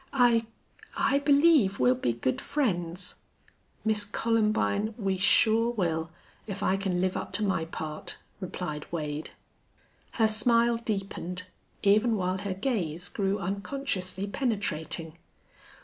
"I I believe we'll be good friends." "Miss Columbine, we sure will, if I can live up to my part," replied Wade. Her smile deepened, even while her gaze grew unconsciously penetrating.